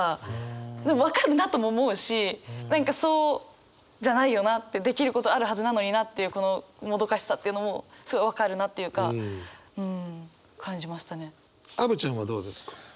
でも分かるなとも思うし何かそうじゃないよなってできることあるはずなのになっていうこのもどかしさっていうのもすごい分かるなっていうかうん感じましたね。